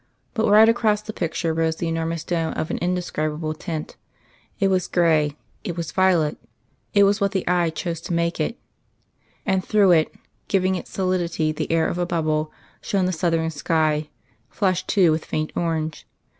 But right across the picture rose the enormous dome, of an indescribable tint; it was grey, it was violet it was what the eye chose to make it and through it, giving its solidity the air of a bubble, shone the southern sky, flushed too with faint orange.